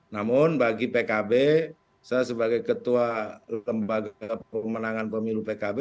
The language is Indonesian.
namun bagi pkb saya sebagai ketua lembaga pemenangan pemilu pkb